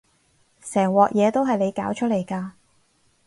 成鑊嘢都係你搞出嚟㗎